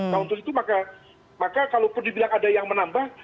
nah untuk itu maka kalaupun dibilang ada yang menambah